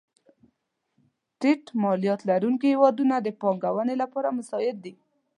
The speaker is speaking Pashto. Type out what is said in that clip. ټیټ مالیات لرونکې هېوادونه د پانګونې لپاره مساعد دي.